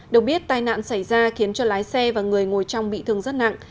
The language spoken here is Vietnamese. được biết tai nạn xảy ra khiến cho lái xe và người ngồi trong bị thương rất nặng